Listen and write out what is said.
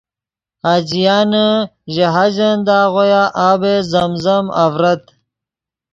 حاجیان ژے حاجن دے آغویا آب زم زم آڤرت